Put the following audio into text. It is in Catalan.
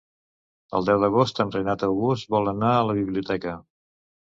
El deu d'agost en Renat August vol anar a la biblioteca.